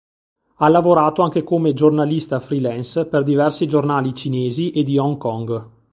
Ha lavorato anche come giornalista freelance per diversi giornali cinesi e di Hong Kong.